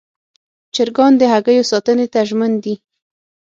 چرګان د هګیو ساتنې ته ژمن دي.